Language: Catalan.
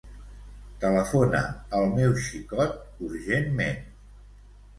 Telefona al meu xicot urgentment.